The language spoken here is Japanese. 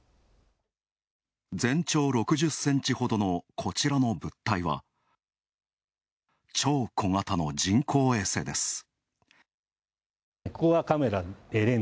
全長６０ｃｍほどのこちらの物体は超小型の人工衛星です。